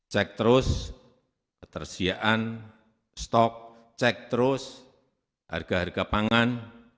cek terus ketersediaan stok cek terus harga harga pangan